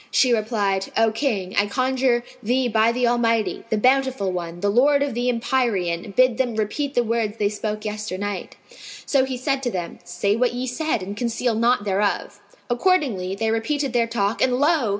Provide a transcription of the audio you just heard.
She replied, "O King, I conjure thee by the Almighty, the Bountiful One, the Lord of the Empyrean, bid them repeat the words they spoke yesternight." So he said to them, "Say what ye said and conceal naught thereof." Accordingly, they repeated their talk, and lo!